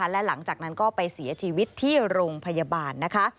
และหลังจากนั้นก็ไปเสียชีวิตที่โรงพยาบาลนะคะ